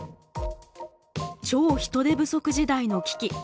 「超・人手不足時代」の危機。